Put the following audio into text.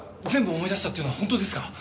全部思い出したっていうのは本当ですか？